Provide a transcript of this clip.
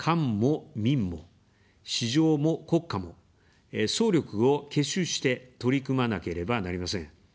「市場も国家も」、総力を結集して取り組まなければなりません。